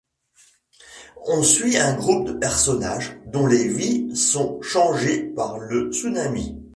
On suit un groupe de personnages dont les vies sont changées par le tsunami.